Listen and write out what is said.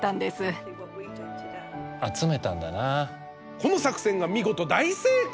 この作戦が見事大成功！